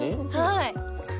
はい。